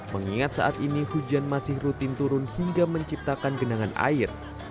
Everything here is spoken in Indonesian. mengingat saat ini hujan masih rutin turun hingga menciptakan genangan air